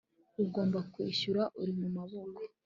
W ugomba kwishyura uri mu maboko